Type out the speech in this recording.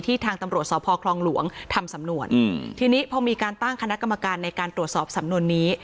ทางตำรวจสพคลองหลวงทำสำนวนทีนี้พอมีการตั้งคณะกรรมการในการตรวจสอบสำนวนนี้